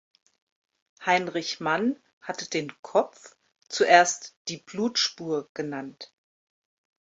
Heinrich Mann hatte den „Kopf“ zuerst „Die Blutspur“ genannt.